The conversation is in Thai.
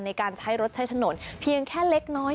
ในการใช้รถใช้ถนนเพียงแค่เล็กน้อย